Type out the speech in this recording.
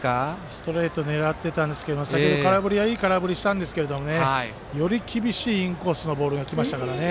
ストレート狙ってたんですけど先ほどの空振りはいい空振りしたんですけどねより厳しいインコースのボールがきましたからね。